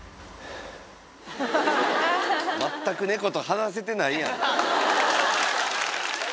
全く猫と話せてないやん。